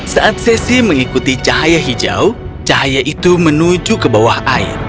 saat sesi mengikuti cahaya hijau cahaya itu menuju ke bawah air